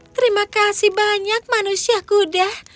terima kasih banyak manusia kuda